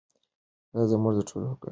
دا زموږ د ټولو ګډ ویاړ دی.